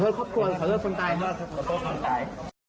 ขอโทษครบครัวขอโทษคนตายขอโทษขอโทษคนตาย